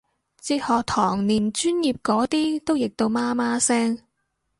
哲學堂連專業嗰啲都譯到媽媽聲